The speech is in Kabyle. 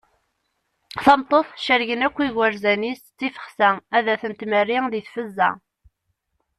Tameṭṭut cergen akk igerzan-is d tifexsa ad ten-tmerri di tfezza.